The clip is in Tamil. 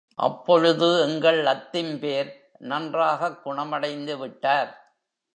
அப்பொழுது எங்கள் அத்திம்பேர் நன்றாகக் குணமடைந்துவிட்டார்.